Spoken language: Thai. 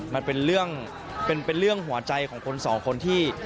มันเป็นเรื่องหัวใจของคนสองคนที่